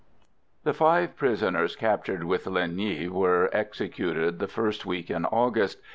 The five prisoners captured with Linh Nghi were executed the first week in August.